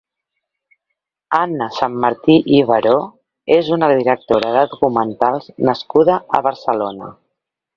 Anna Sanmartí i Baró és una directora de documentals nascuda a Barcelona.